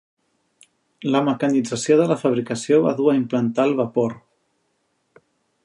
La mecanització de la fabricació va dur a implantar el vapor.